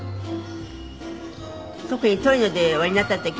特にトリノでおやりになった時は。